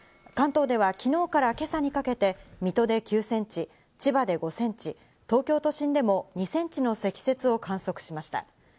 関東では昨日から今朝にかけて水戸で９センチ、千葉で５センチ、東京都心でも２センチの積雪を観測しました。